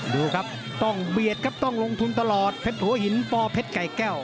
ดูครับต้องเบียดครับต้องลงทุนตลอดเพชรหัวหินปอเพชรไก่แก้ว